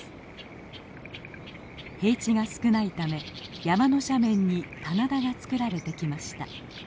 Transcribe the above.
平地が少ないため山の斜面に棚田が作られてきました。